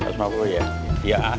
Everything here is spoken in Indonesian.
iya terima kasih